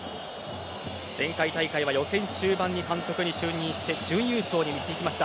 前回大会は予選終盤に監督就任して準優勝に導きました。